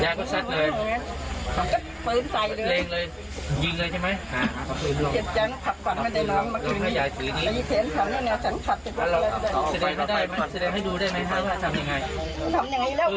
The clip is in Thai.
ย่างเขาสัดเลยก็เปิดใส่เลยเล็งเลยยิงเลยใช่ไหมอ่าเขาพื้นลง